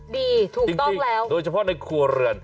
ถูกต้องแล้วโดยเฉพาะในครัวเรือน